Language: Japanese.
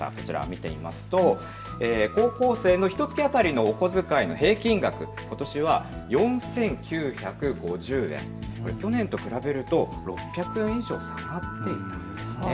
見てみますと高校生のひとつき当たりの平均額、ことしは４９５０円、去年と比べると６００円以上少なくなっているんです。